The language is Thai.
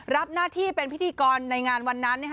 รับหน้าที่เป็นพิธีกรในงานวันนั้น